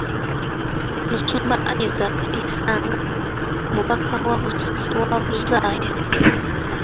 Musumba Isaac Isanga, mubaka wa Buzaaya.